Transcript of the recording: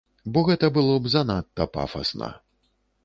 Бо гэта было б занадта пафасна.